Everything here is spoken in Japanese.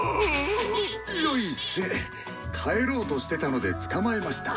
帰ろうとしてたので捕まえました。